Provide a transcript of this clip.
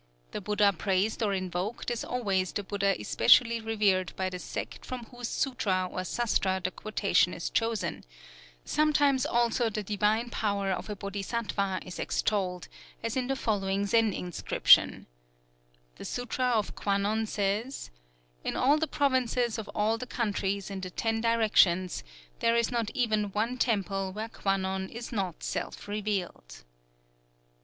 The Buddha praised or invoked is always the Buddha especially revered by the sect from whose sutra or sastra the quotation is chosen; sometimes also the divine power of a Bodhisattva is extolled, as in the following Zen inscription: _"The Sutra of Kwannon says: 'In all the provinces of all the countries in the Ten Directions, there is not even one temple where Kwannon is not self revealed.